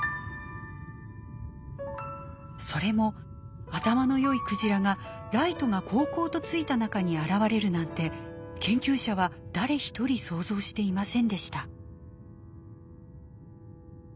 それも頭の良いクジラがライトが煌々とついた中に現れるなんて研究者は誰ひとり想像していませんでした。